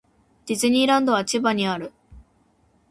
ディズニーランドは千葉にある